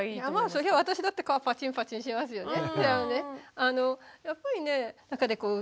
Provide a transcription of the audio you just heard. そりゃ私だって蚊はパチンパチンしますよね。